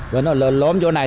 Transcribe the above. và nó lên lõm chỗ này